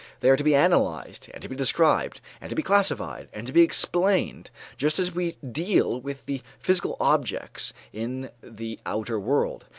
They are to be analyzed, and to be described, and to be classified and to be explained, just as we deal with the physical objects in the outer world.